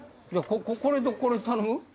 これとこれ頼む？